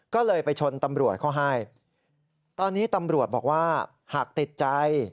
ก็เลยไปชนตำรวจเขาให้ตอนนี้ตำรวจบอกว่าหากติดใจ